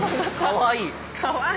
かわいい。